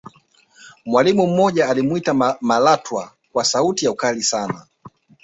mwalimu mmoja alimwita malatwa kwa sauti ya ukali sana